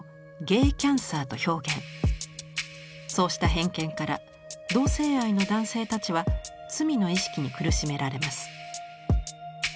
そうした偏見から同性愛の男性たちは罪の意識に苦しめられます。